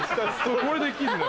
これできるのよ。